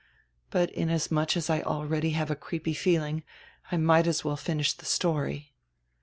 But inas much as I already have a creepy feeling I might as well finish die story."